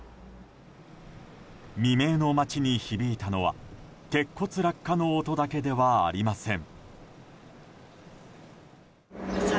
未明の街に響いたのは鉄骨落下の音だけではありません。